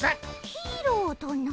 ヒーローとな？